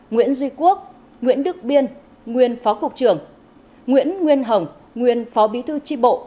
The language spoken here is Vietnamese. nguyễn duy quốc nguyễn đức biên nguyên phó cục trưởng nguyễn nguyên hồng nguyên phó bí thư tri bộ